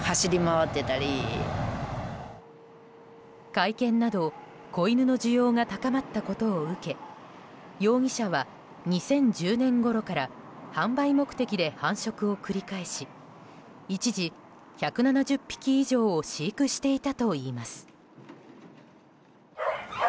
甲斐犬など子犬の需要が高まったことを受け容疑者は、２０１０年ごろから販売目的で繁殖を繰り返し一時１７０匹以上を飼育していたといいます。